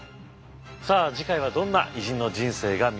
さあ次回はどんな偉人の人生が見られるのでしょうか。